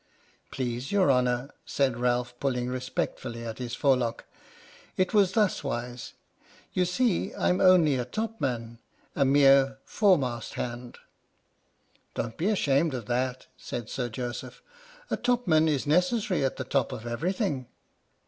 " Please your honour," said Ralph, pulling respect fully at his forelock, "it was thus wise. You see I'm only a topman — a mere fore mast hand —"" Don't be ashamed of that," said Sir Joseph, "a topman is necessarily at the top of everything."